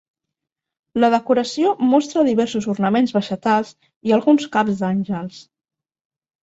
La decoració mostra diversos ornaments vegetals i alguns caps d'àngels.